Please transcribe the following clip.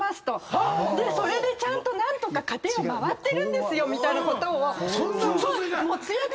それでちゃんと何とか家庭が回ってるんですよみたいなことをすごい。